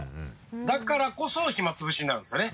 だからこそ暇つぶしになるんですよね。